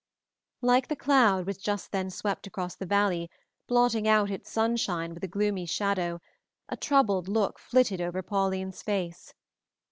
Like the cloud which just then swept across the valley, blotting out its sunshine with a gloomy shadow, a troubled look flitted over Pauline's face.